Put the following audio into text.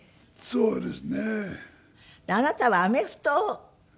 そうですね。